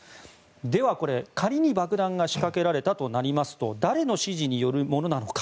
では、仮に爆弾が仕掛けらられたとなりますと誰の指示によるものなのか。